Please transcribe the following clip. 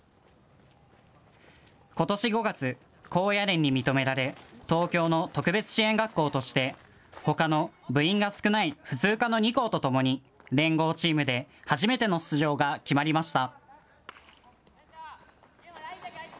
ことし５月、高野連に認められ東京の特別支援学校としてほかの部員が少ない普通科の２校とともに連合チームで初めての出場が決まりました。